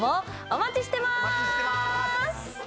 お待ちしてます！